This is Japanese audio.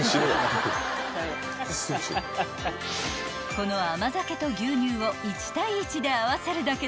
［この甘酒と牛乳を１対１で合わせるだけで簡単］